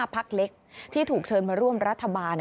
พักเล็กที่ถูกเชิญมาร่วมรัฐบาล